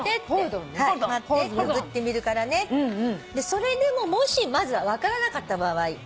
それでももし分からなかった場合。